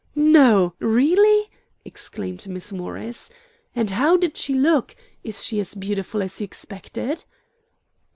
"No, really?" exclaimed Miss Morris. "And how did she look? Is she as beautiful as you expected?"